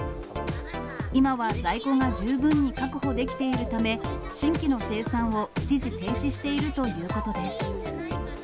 今は在庫が十分に確保できているため、新規の生産を一時停止しているということです。